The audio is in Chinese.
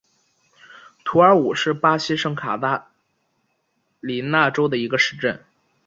图尔武是巴西圣卡塔琳娜州的一个市镇。